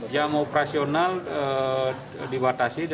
jam operasional dibatasi